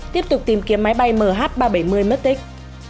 tiếp tục tìm kiếm máy bay mh ba trăm bảy mươi mất tích